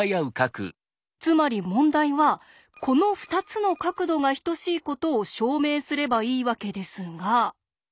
つまり問題はこの２つの角度が等しいことを証明すればいいわけですが。